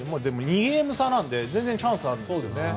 ２ゲーム差なのでかなりチャンスあるんですよね。